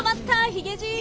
ヒゲじい。